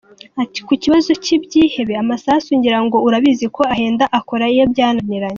Ati “Ku kibazo cy’ibyihebe, amasasu ngira ngo urabizi ko ahenda, akora iyo byananiranye.